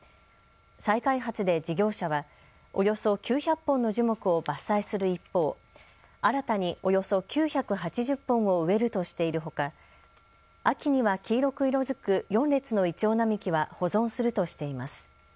再開発で事業者は、およそ９００本の樹木を伐採する一方、新たにおよそ９８０本を植えるとしているほか秋には黄色く色づく４列のイチョウ並木は保存するとしています。